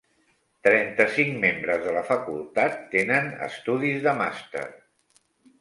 Trenta-cinc membres de la facultat tenen estudis de màster.